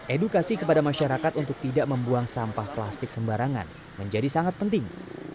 edukasi kepada masyarakat untuk tidak membuang sampah plastik sembarangan menjadi sangat penting